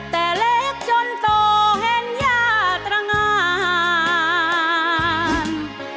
แต่เล็กจนโตเห็นย่าตรงาน